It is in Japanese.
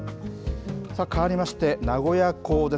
さあ、かわりまして、名古屋港です。